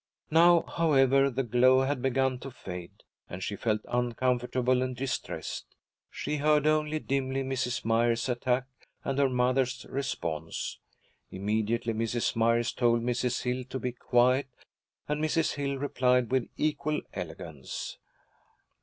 Now, however, the glow had begun to fade, and she felt uncomfortable and distressed. She heard only dimly Mrs. Myers's attack and her mother's response. Immediately Mrs. Myers told Mrs. Hill to be quiet, and Mrs. Hill replied with equal elegance.